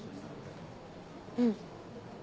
うん。